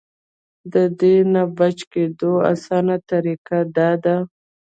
د دې نه د بچ کېدو اسانه طريقه دا ده -